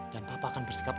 dan papa akan bersikap baik